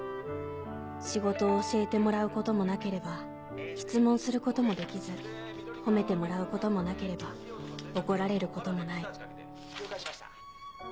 仕事を教えてもらうこともなければ質問することもできず褒めてもらうこともなければ怒られることもない